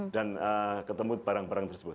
dan ketemu barang barang tersebut